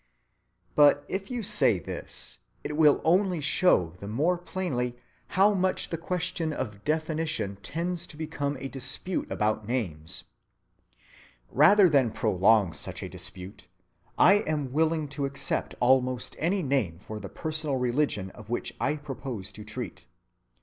But if you say this, it will only show the more plainly how much the question of definition tends to become a dispute about names. Rather than prolong such a dispute, I am willing to accept almost any name for the personal religion of which I propose to treat.